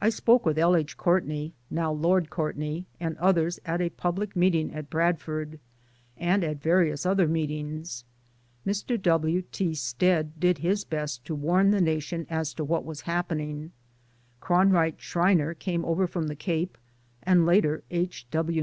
I spoke with L 1 . H. Courtney (now Lord Courtney) and others at a public meeting at Bradford, and at various other meetings. Mr. W. T. Stead did his best to warn the nation as to what was happening ; Cronwright Schreiner came over from the Cape, and later H. Wi.